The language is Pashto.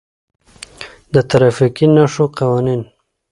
د ترافیکي نښو قوانین: